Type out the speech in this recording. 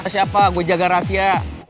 siapa gue jaga rahasia